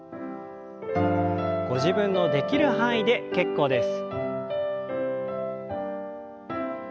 ご自分のできる範囲で結構です。